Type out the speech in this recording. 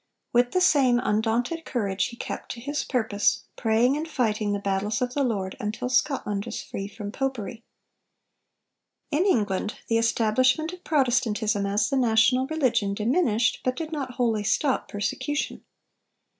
With the same undaunted courage he kept to his purpose, praying and fighting the battles of the Lord, until Scotland was free from popery. In England the establishment of Protestantism as the national religion diminished, but did not wholly stop, persecution.